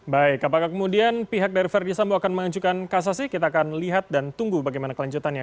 baik apakah kemudian pihak dari verdi sambo akan mengajukan kasasi kita akan lihat dan tunggu bagaimana kelanjutannya